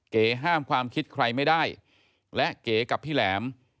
ห้ามความคิดใครไม่ได้และเก๋กับพี่แหลม